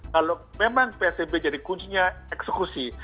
kalau memang psbb jadi kuncinya eksekusi